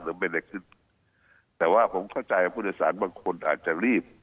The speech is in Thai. ไม่ได้ขึ้นแต่ว่าผมเข้าใจว่าผู้โดยสารบางคนอาจจะรีบ